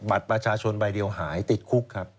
บัตรประชาชนใบเดียวหายติดคุกครับ